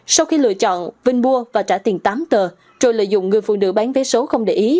sau khi lựa chọn vinh mua và trả tiền tám tờ rồi lợi dụng người phụ nữ bán vé số không để ý